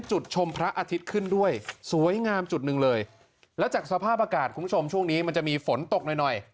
จุดหนึ่งเลยแล้วจากสภาพอากาศของชมช่วงนี้มันจะมีฝนตกหน่อยหน่อย